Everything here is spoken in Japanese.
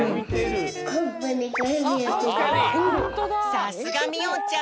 さすがみおんちゃん！